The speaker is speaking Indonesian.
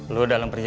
lo dalam percaya